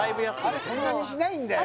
そんなにしないんだよ